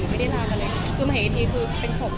กิ๊ชิกีมีทางข้างเราเสียใจด้วย